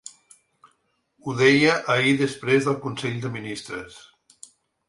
Ho deia ahir després del consell de ministres.